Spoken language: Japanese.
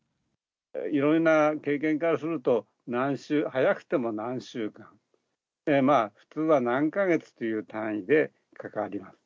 いろんな経験からすると、早くても何週間、まあ、普通は何か月という単位でかかります。